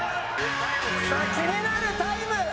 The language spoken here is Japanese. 気になるタイム。